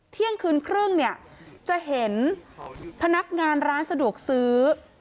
เที่ยงคืนครึ่งเนี่ยจะเห็นพนักงานร้านสะดวกซื้อ